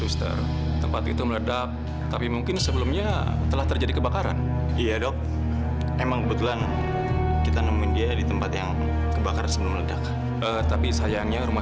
sampai jumpa di video selanjutnya